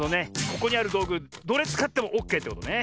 ここにあるどうぐどれつかってもオッケーってことね。